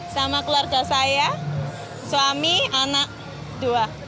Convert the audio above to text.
sama keluarga saya suami anak dua